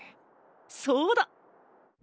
そうだ！